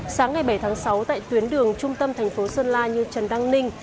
sáng ngày bảy tháng sáu tại tuyến đường trung tâm thành phố sơn la như trần đăng ninh